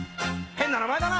変な名前だな！